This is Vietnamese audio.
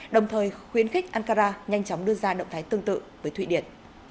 đồng thời khuyến khích ankara nhanh chóng đưa ra động thái tương tự với thụy điển